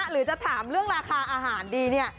หรือจะถามเรื่องราคาอาหารดีเนี่ย